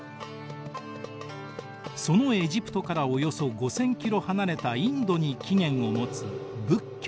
そのエジプトからおよそ５，０００ｋｍ離れたインドに起源を持つ仏教。